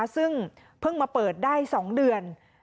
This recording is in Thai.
ซึ่งเพิ่งมาเปิดได้๒เดือน